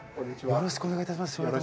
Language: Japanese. よろしくお願いします。